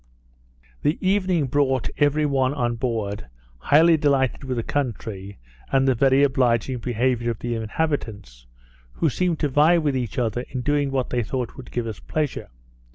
The evening brought every one on board, highly delighted with the country, and the very obliging behaviour of the inhabitants, who seemed to vie with each other in doing what they thought would give us pleasure.